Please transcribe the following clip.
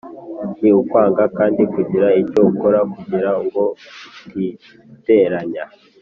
Ni ukwanga kandi kugira icyo ukora kugira ngo utiteranya.